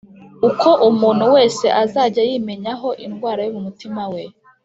uko umuntu wese azajya yimenyaho indwara yo mu mutima we